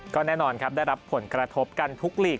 ก็แน่นอนครับได้รับผลกระทบกันทุกหลีก